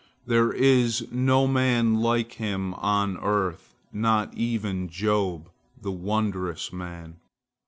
There is no man like him on earth, not even Job, the wondrous man."